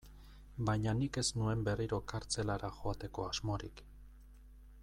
Baina nik ez nuen berriro kartzelara joateko asmorik.